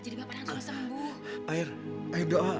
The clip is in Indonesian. jadi bapak langsung sembuh